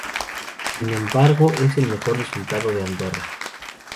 Sin embargo es el mejor resultado de Andorra.